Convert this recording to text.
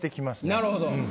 なるほど。